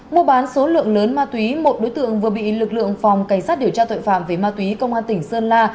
mua bán số lượng lớn ma túy một đối tượng vừa bị lực lượng phòng cảnh sát điều tra tội phạm về ma túy công an tỉnh sơn la